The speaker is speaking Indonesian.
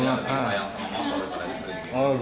oh yang ibu ini